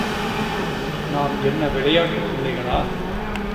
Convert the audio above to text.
நாம் என்ன விளையாட்டுப் பிள்ளைகளா?